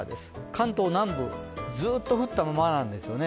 関東南部、ずっと降ったままなんですね。